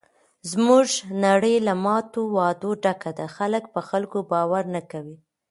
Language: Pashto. زموږ نړۍ له ماتو وعدو ډکه ده. خلک په خلکو باور نه کوي.